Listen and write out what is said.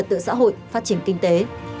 trật tự xã hội phát triển kinh tế